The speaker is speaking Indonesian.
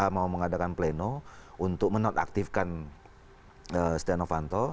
mau mengadakan pleno untuk menonaktifkan astiano vanto